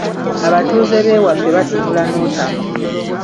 Abatuuze b’ewaffe batunula n’otamwa.